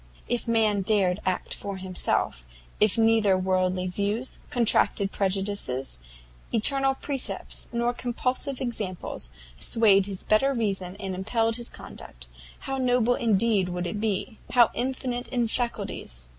If man dared act for himself, if neither worldly views, contracted prejudices, eternal precepts, nor compulsive examples, swayed his better reason and impelled his conduct, how noble indeed would he be! _how infinite in faculties!